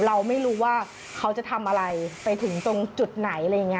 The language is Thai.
เราไม่รู้ว่าเขาจะทำอะไรไปถึงตรงจุดไหน